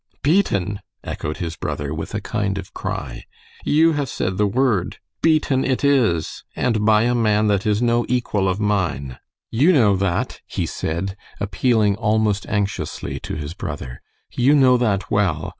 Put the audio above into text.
"Beaten!" echoed his brother, with a kind of cry. "You have said the word. Beaten it is, and by a man that is no equal of mine. You know that," he said, appealing, almost anxiously, to his brother. "You know that well.